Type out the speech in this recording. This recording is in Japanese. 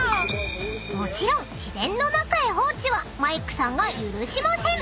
［もちろん自然の中へ放置はマイクさんが許しません］